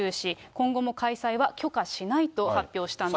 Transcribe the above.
今後も開催は許可しないと発表したんです。